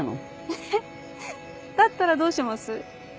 えっだったらどうします？